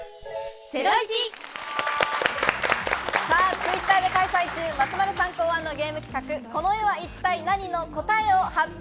Ｔｗｉｔｔｅｒで開催中、松丸さん参考のゲーム企画「この絵は一体ナニ！？」の答えを発表